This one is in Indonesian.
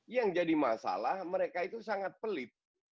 yang jadi masalah mereka itu sangat pelit